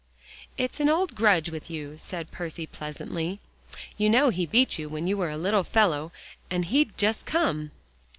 "It's an old grudge with you," said Percy pleasantly. "You know he beat you when you were a little fellow, and he'd just come."